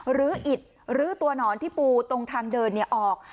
หรืออิดหรือตัวหนอนที่ปูตรงทางเดินออก